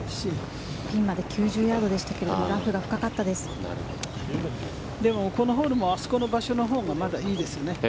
ピンまで９０ヤードでしたけどでも、このホールもあの場所のほうがまだいいですよね。